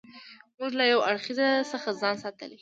موږ له یو اړخیزوالي څخه ځان ساتلی دی.